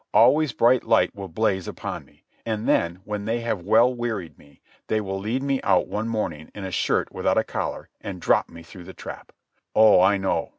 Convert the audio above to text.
Always bright light will blaze upon me. And then, when they have well wearied me, they will lead me out one morning in a shirt without a collar and drop me through the trap. Oh, I know.